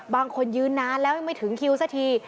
บางคนยืนนานแล้วยังไม่ถึงคิวสักที